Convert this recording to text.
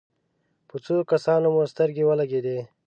په څو کسانو مو سترګې ولګېدې.